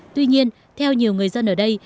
tuy nhiên theo nhiều người dân ở đây